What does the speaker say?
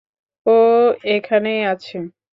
ও এখানেই আছে।